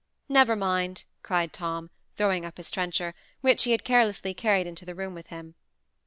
"Never mind!" cried Tom, throwing up his trencher, which he had carelessly carried into the room with him.